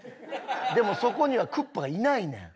でもそこにはクッパがいないねん。